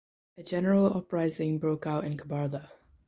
A general uprising broke out in Kabarda.